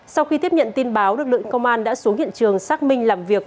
sau khi tiếp nhận tin báo lực lượng công an đã xuống hiện trường xác minh làm việc